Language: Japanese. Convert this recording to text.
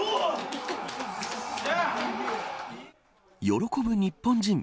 喜ぶ日本人。